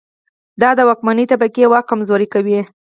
دا د واکمنې طبقې واک کمزوری کوي.